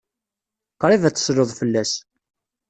Qrib ad tesleḍ fell-as.